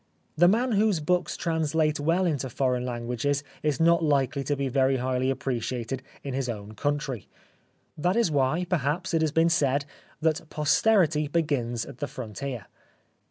The man whose books translate well into foreign languages is not likely to be very highly appreciated in his own country. That is why, perhaps, it has been said that posterity begins at the frontier.